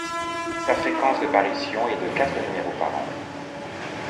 Sa fréquence de parution est de quatre numéros par an.